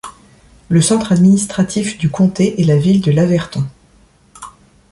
Le centre administratif du comté est la ville de Laverton.